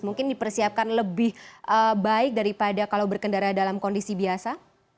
mungkin dipersiapkan lebih baik daripada kalau berkendara dalam kondisi biasa